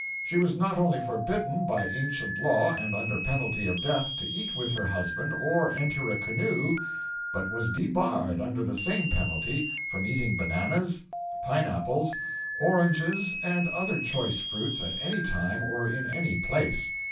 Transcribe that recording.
She was not only forbidden, by ancient law, and under penalty of death, to eat with her husband or enter a canoe, but was debarred, under the same penalty, from eating bananas, pine apples, oranges and other choice fruits at any time or in any place.